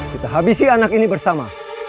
kita habisi anak ini bersama